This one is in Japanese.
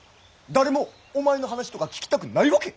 誰もお前の話とか聞きたくないわけ。